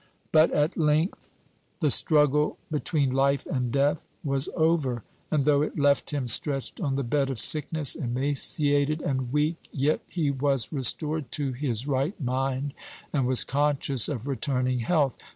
But, at length, the struggle between life and death was over, and though it left him stretched on the bed of sickness, emaciated and weak, yet he was restored to his right mind, and was conscious of returning health.